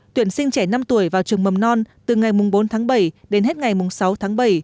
tuyển sinh trẻ năm tuổi vào trường mầm non từ ngày bốn tháng bảy đến hết ngày sáu tháng bảy